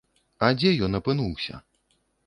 А дзе ён апынуўся?